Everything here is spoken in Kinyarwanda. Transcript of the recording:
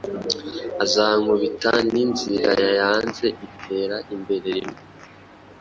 Azankubita ninzira yaanze itera imbere rimwe